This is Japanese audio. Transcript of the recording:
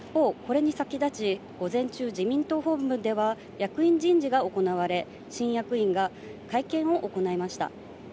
一方、これに先立ち、午前中、自民党本部では役員人事が行われ、新役員が会見を行いました。